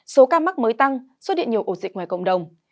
số ca mắc mới tăng xuất hiện nhiều ổ dịch ngoài cộng đồng